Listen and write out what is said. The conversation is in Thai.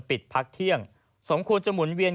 ปิดพักเที่ยงสมควรจะหมุนเวียน